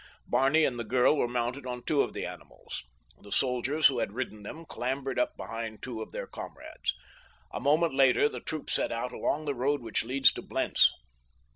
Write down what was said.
Barney and the girl were mounted on two of the animals, the soldiers who had ridden them clambering up behind two of their comrades. A moment later the troop set out along the road which leads to Blentz.